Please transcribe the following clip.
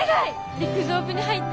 陸上部に入って。